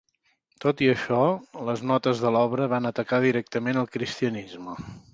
Tot i això, les notes de l'obra van atacar directament el cristianisme.